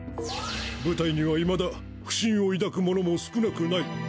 「部隊には未だ不信を抱く者も少なくない。